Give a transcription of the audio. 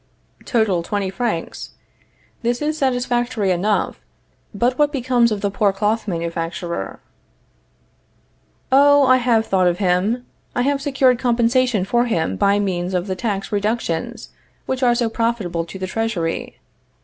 Total, twenty francs. This is satisfactory enough. But what becomes of the poor cloth manufacturer? Oh, I have thought of him. I have secured compensation for him by means of the tax reductions which are so profitable to the Treasury.